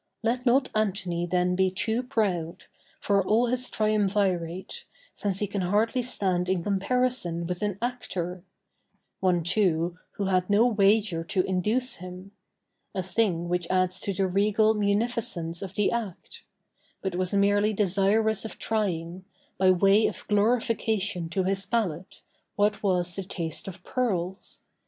Let not Antony then be too proud, for all his triumvirate, since he can hardly stand in comparison with an actor; one, too, who had no wager to induce him—a thing which adds to the regal munificence of the act—but was merely desirous of trying, by way of glorification to his palate, what was the taste of pearls.